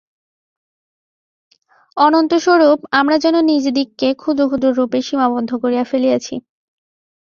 অনন্তস্বরূপ আমরা যেন নিজদিগকে ক্ষুদ্র ক্ষুদ্র রূপে সীমাবদ্ধ করিয়া ফেলিয়াছি।